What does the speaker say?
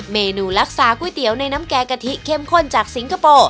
เมนูรักษาก๋วยเตี๋ยวในน้ำแกงกะทิเข้มข้นจากสิงคโปร์